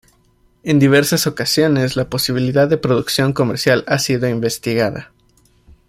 En diversas ocasiones la posibilidad de producción comercial ha sido investigada.